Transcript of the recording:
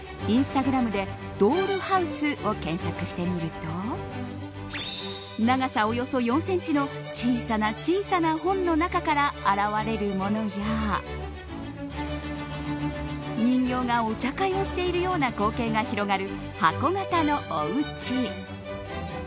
インスタグラムでドールハウスを検索してみると長さ、およそ４センチの小さな小さな本の中から現れるものや人形がお茶会をしているような光景が広がる箱形のおうち。